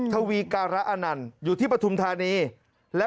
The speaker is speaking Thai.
ก็ต้องไปนอนวัดอ่ะ